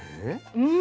うん！